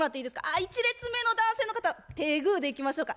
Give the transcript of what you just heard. あ１列目の男性の方手グーでいきましょうか。